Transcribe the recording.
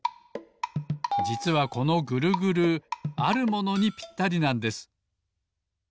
じつはこのグルグルあるものにぴったりなんです。